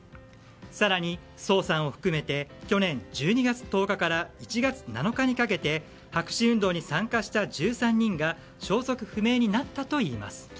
更に、ソウさんを含めて去年１２月１０日から１月７日にかけて白紙運動に参加した１３人が消息不明になったといいます。